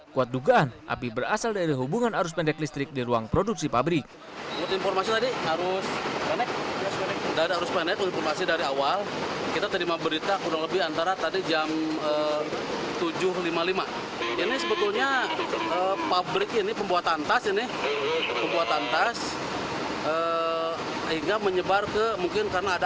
kuat dugaan api berasal dari hubungan arus pendek listrik di ruang produksi pabrik